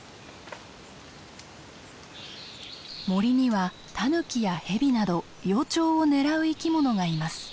森にはタヌキやヘビなど幼鳥を狙う生き物がいます。